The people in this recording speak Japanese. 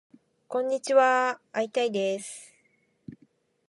こんにちはーー会いたいです